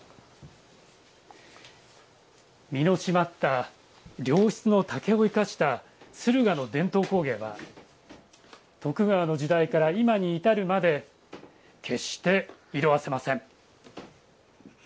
身の締まった良質の竹を生かした駿河の伝統工芸は徳川の時代から今に至るまで決して色あせません。